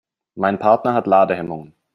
Mein Partner hat Ladehemmungen.